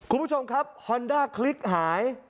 คุณผู้ชมครับฮอนด้าคลิกหาย